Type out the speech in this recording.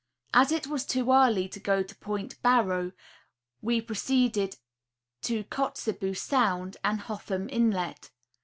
As it was too early to go to Point Barrow we proceeded to Kotze bue sound and Hotham inlet.